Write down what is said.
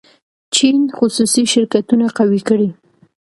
چین خصوصي شرکتونه قوي کړي.